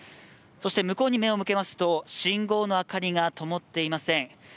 向こうに目を向けますと信号の明かりがともっていません